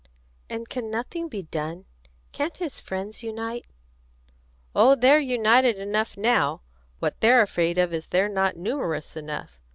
"And can nothing be done? Can't his friends unite?" "Oh, they're united enough now; what they're afraid of is that they're not numerous enough.